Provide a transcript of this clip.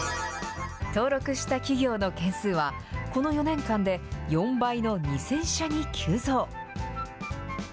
登録した企業の件数はこの４年間で４倍の２０００社に急増。